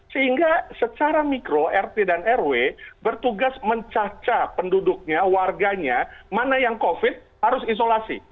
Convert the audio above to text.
sehingga secara mikro rt dan rw bertugas mencaca penduduknya warganya mana yang covid harus isolasi